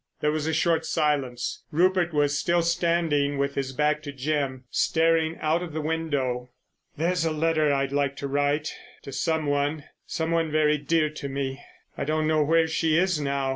There was a short silence. Rupert was still standing with his back to Jim, staring out of the window. "There's a letter I'd like to write—to some one; some one very dear to me. I don't know where she is now.